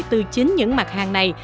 từ chính những mặt hàng này